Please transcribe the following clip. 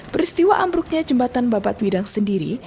peristiwa ambruknya jembatan babat widang sendiri